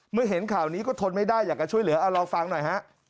เห็นข่าวนี้ก็ทนไม่ได้อยากจะช่วยเหลือเอาลองฟังหน่อยฮะ